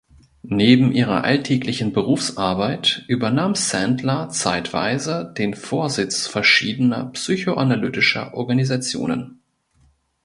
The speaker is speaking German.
Neben ihrer alltäglichen Berufsarbeit übernahm Sandler zeitweise den Vorsitz verschiedener psychoanalytischer Organisationen.